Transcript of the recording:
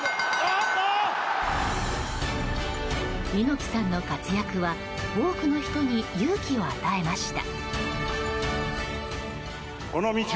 猪木さんの活躍は多くの人に勇気を与えました。